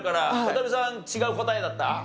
渡邉さん違う答えだった？